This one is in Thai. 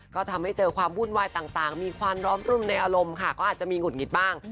ก็ทำให้เจอความวุ่นวายต่างมีความร้อมรุ่มในอารมณ์ค่ะก็อาจจะมีหุดหงิดบ้าง